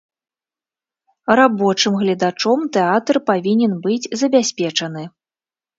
Рабочым гледачом тэатр павінен быць забяспечаны.